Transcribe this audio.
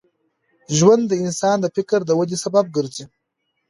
ژوند د انسان د فکر د ودې سبب ګرځي.